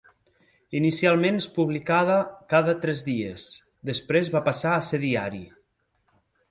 Inicialment es publicada cada tres dies, després va passar a ser diari.